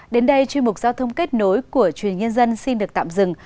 đến đây chuyên mục giao thông kết nối của truyền nhân dân xin được tạm dừng